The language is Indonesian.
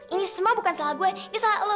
ini semua bukan salah gue ini salah lo